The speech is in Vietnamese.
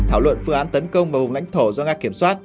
thảo luận phương án tấn công vào vùng lãnh thổ do nga kiểm soát